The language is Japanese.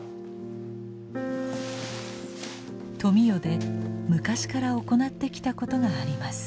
富美代で昔から行ってきたことがあります。